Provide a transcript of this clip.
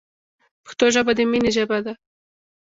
پښتو ژبه د مینې ژبه ده.